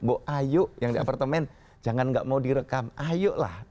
ayo yang di apartemen jangan gak mau direkam ayolah rekam